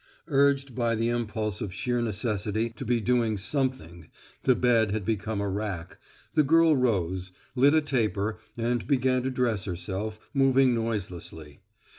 Urged by the impulse of sheer necessity to be doing something the bed had become a rack the girl rose, lit a taper, and began to dress herself, moving noiselessly.